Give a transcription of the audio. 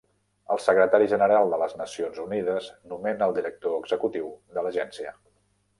El secretari general de les Nacions Unides nomena el director executiu de l'agència.